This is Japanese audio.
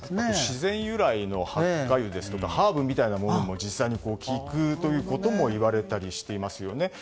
自然由来のハッカ油やハーブみたいなものも実際に効くということもいわれたりしていますね。